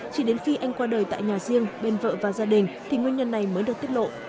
chỉ đến khi anh qua đời tại nhà riêng bên vợ và gia đình thì nguyên nhân này mới được tiết lộ